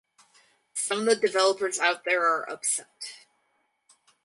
Some of the developers out there are upset.